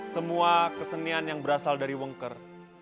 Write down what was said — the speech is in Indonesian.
semua kesenian yang berasal dari wongker